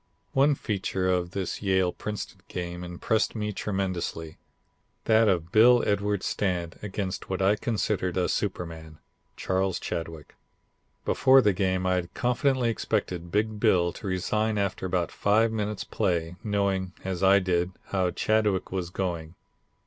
"One feature of this Yale Princeton game impressed me tremendously, that of Bill Edwards' stand, against what I considered a superman, Charles Chadwick. Before the game I had confidently expected Big Bill to resign after about five minutes' play, knowing, as I did, how Chadwick was going.